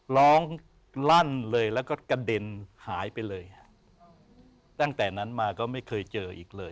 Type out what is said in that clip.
ลั่นเลยแล้วก็กระเด็นหายไปเลยฮะตั้งแต่นั้นมาก็ไม่เคยเจออีกเลย